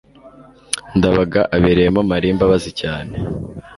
ndabaga abereyemo mariya imbabazi cyane